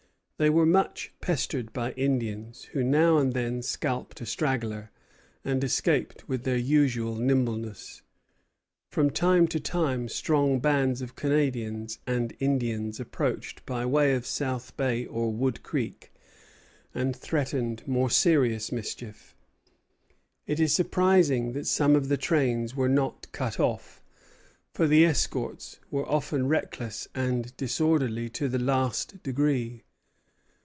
They were much pestered by Indians, who now and then scalped a straggler, and escaped with their usual nimbleness. From time to time strong bands of Canadians and Indians approached by way of South Bay or Wood Creek, and threatened more serious mischief. It is surprising that some of the trains were not cut off, for the escorts were often reckless and disorderly to the last degree.